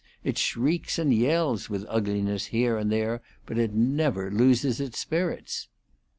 It shrieks and yells with ugliness here and there but it never loses its spirits.